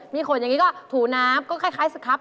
มีขนอย่างนี้ก็ถูน้ำก็คล้ายสครับ